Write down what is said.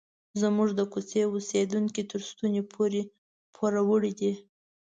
زموږ د کوڅې اوسیدونکي تر ستوني پورې پوروړي دي.